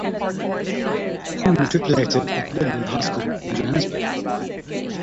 He matriculated at Linden High School in Johannesburg.